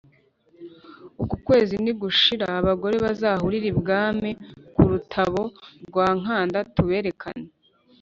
«uku kwezi nigushira abagore bazahurire ibwami ku rutabo rwa nkanda tuberekane